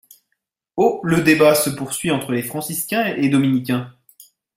Au le débat se poursuit entre Franciscains et Dominicains.